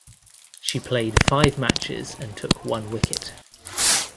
She played five matches and took one wicket.